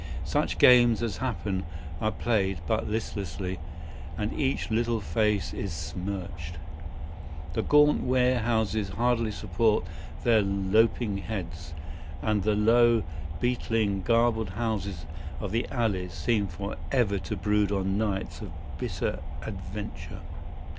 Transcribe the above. Such games as happen are played but listlessly, and each little face is smirched. The gaunt warehouses hardly support their lopping heads, and the low, beetling, gabled houses of the alleys seem for ever to brood on nights of bitter adventure.